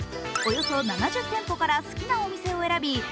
およそ７０店舗から好きなお店を選び